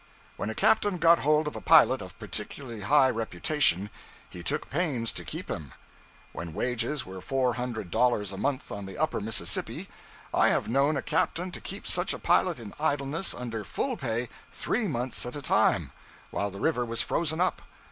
When a captain got hold of a pilot of particularly high reputation, he took pains to keep him. When wages were four hundred dollars a month on the Upper Mississippi, I have known a captain to keep such a pilot in idleness, under full pay, three months at a time, while the river was frozen up.